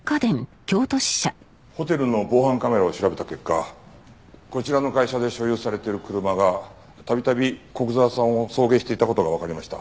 ホテルの防犯カメラを調べた結果こちらの会社で所有されている車が度々古久沢さんを送迎していた事がわかりました。